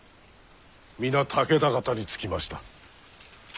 皆武田方につきました。